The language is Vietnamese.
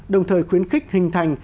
đồng thời khuyến khích hình thành